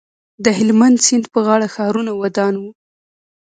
د هلمند سیند په غاړه ښارونه ودان وو